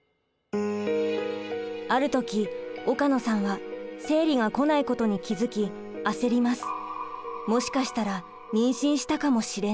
ある時岡野さんは生理がこないことに気付き焦ります。